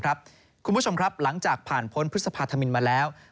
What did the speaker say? คุณผู้ชมครับหลังจากผ่านพ้นพฤษภาธมินมาแล้ว